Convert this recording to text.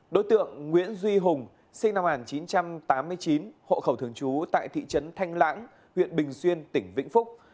đối tượng nguyễn duy hùng sinh năm một nghìn chín trăm tám mươi chín hộ khẩu thường trú tại thị trấn thanh lãng huyện bình xuyên tỉnh vĩnh phúc